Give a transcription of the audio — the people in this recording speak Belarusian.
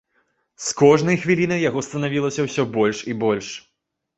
З кожнай хвілінай яго станавілася ўсё больш і больш.